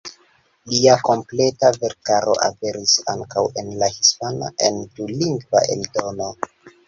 Lia kompleta verkaro aperis ankaŭ en la hispana en dulingva eldono.